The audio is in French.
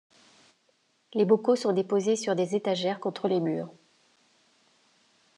Les bocaux sont déposés sur des étagères contre les murs.